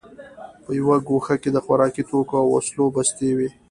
په یوه ګوښه کې د خوراکي توکو او وسلو بستې وې